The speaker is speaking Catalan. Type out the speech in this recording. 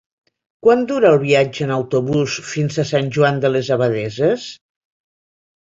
Quant dura el viatge en autobús fins a Sant Joan de les Abadesses?